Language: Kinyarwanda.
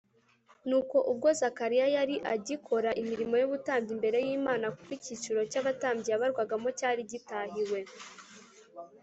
. “Nuko ubwo Zakariya yari agikora imirimo y’ubutambyi imbere y’Imana, kuko icyiciro cy’abatambyi yabarwagamo cyari gitahiwe